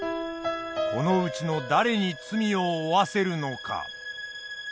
このうちの誰に罪を負わせるのか？